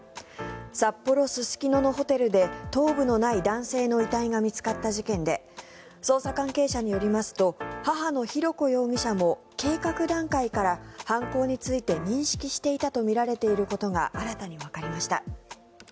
札幌・すすきののホテルで頭部のない男性の遺体が見つかった事件で捜査関係者によりますと母の浩子容疑者も計画段階から犯行について認識していたとみられていることが新たにわかりました。